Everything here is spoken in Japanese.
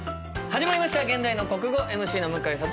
始まりました「現代の国語」ＭＣの向井慧です。